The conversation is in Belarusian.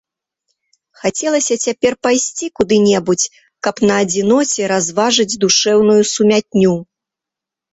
Хацелася цяпер пайсці куды-небудзь, каб на адзіноце разважыць душэўную сумятню.